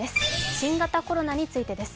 新型コロナについてです。